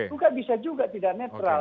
itu nggak bisa juga tidak netral